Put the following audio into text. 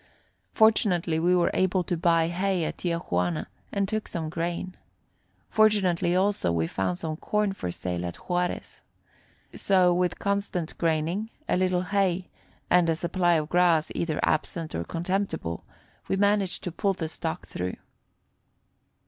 Fortunately we were able to buy hay at Tia Juana, and took some grain. Fortunately, also, we found some corn for sale at Juarez. So, with constant graining, a little hay and a supply of grass, either absent or contemptible, we managed to pull the stock through.